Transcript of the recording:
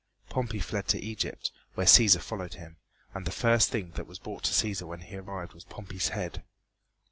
Pompey fled to Egypt, where Cæsar followed him and the first thing that was brought to Cæsar when he arrived was Pompey's head.